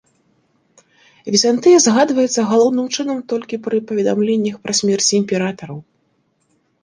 Візантыя згадваецца галоўным чынам толькі пры паведамленнях пра смерці імператараў.